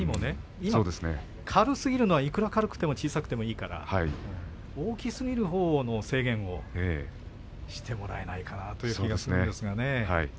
軽すぎるのはいくら軽くても小さくてもいいから大きいほうの制限をしてもらえないかなというふうに思うんですがね。